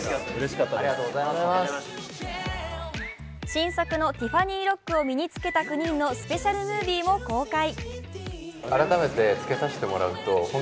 新作のティファニーロックを身に着けた９人のスペシャルムービーも公開。